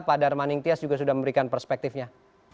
pak darman nektyas juga sudah memberikan perspektifnya